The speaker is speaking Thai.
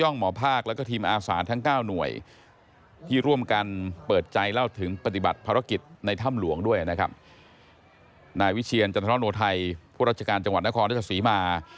นายวิเชียรจันทนับโนทัยพวกราชการจังหวัดนครนักศึกษีมา